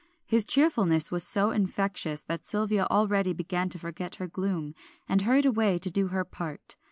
His cheerfulness was so infectious, that Sylvia already began to forget her gloom, and hurried away to do her part.